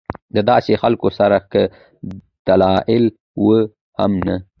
د داسې خلکو سره کۀ دلائل وي هم نۀ